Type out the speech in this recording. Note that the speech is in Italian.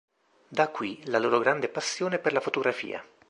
Da qui la loro grande passione per la fotografia.